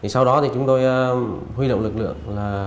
sau đó chúng tôi huy động lực lượng